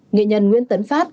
nghệ nhân nguyễn tấn phát